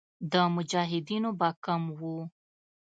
د مجاهدینو به کم وو.